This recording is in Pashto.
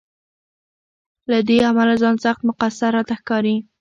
له دې امله ځان سخت مقصر راته ښکاري.